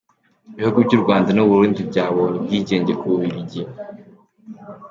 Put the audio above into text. Ibihugu by’u Rwanda n’u Burundi byabonye ubwigenge ku Bubiligi.